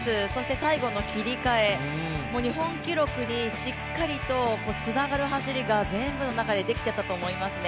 最後の切り替え、日本記録にしっかりとつながる走りが全部の中でできてたと思いますね。